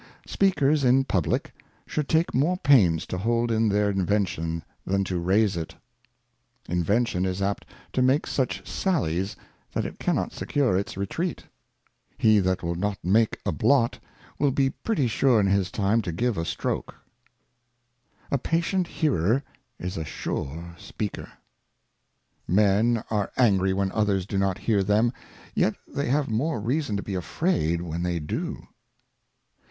SPEAKERS in Publick should take more Pains to hold in Speakers their Invention than to raise it. '" Publick. Invention is apt to make such Sallies, that it cannot secure its Retreat. He that will not make a Blot, will be pretty sure in his time to give a Stroke. A patient Hearer is a sure Speaker. Men are angry when others do not hear them, yet they have more Reason to be afraid when they do.